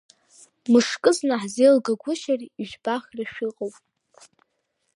Мышкызны ҳзеилгагәышьар ижәбахра шәыҟоуп…